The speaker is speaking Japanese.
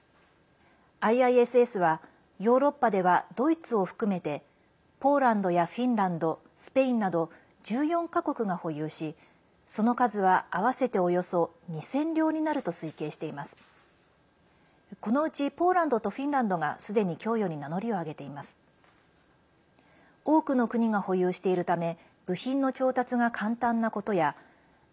ＩＩＳＳはヨーロッパではドイツを含めてポーランドやフィンランドスペインなど１４か国が保有しその数は合わせておよそ２０００両になると推計しています。